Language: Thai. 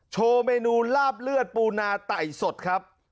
โชว์เมนูลาบเลือดปูนาไต่สดครับ